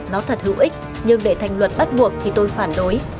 nó thật hữu ích nhưng để thành luật bắt buộc thì tôi phản đối